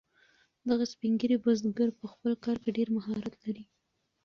دغه سپین ږیری بزګر په خپل کار کې ډیر مهارت لري.